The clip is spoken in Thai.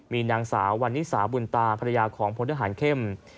มีนางสาววันนิสาบุญตาภรรยาของพลทหารเข้ม